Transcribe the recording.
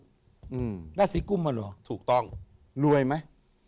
ราศรีกุมมันเหรอถูกต้องรวยมั้ย